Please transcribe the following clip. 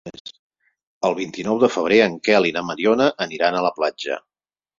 El vint-i-nou de febrer en Quel i na Mariona aniran a la platja.